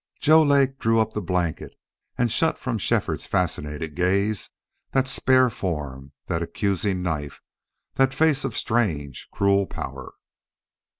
Joe Lake drew up the blanket and shut from Shefford's fascinated gaze that spare form, that accusing knife, that face of strange, cruel power.